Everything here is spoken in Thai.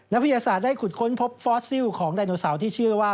วิทยาศาสตร์ได้ขุดค้นพบฟอสซิลของไดโนเสาร์ที่เชื่อว่า